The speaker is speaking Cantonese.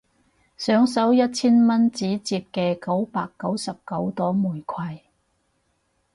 想收一千蚊紙摺嘅九百九十九朵玫瑰